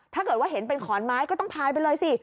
ถ้าเกิดว่าเห็นเป็นขอนไม้ก็ต้องพายไปเลยสิ